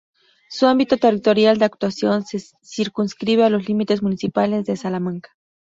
Su ámbito territorial de actuación se circunscribe a los límites municipales de Salamanca.